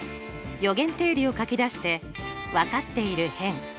余弦定理を書き出して分かっている辺